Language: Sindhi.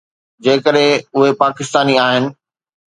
جيڪڏهن اهي پاڪستاني آهن.